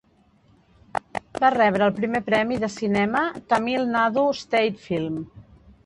Va rebre el primer premi de cinema Tamil Nadu State Film.